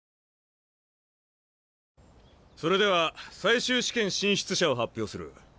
それでは最終試験進出者を発表する。